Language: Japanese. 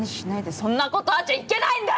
そんなことあっちゃいけないんだよ！